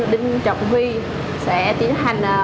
đinh trọng huy sẽ tiến hành